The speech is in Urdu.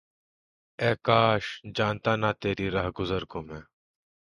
اے کاش! جانتا نہ تیری رہگزر کو میں!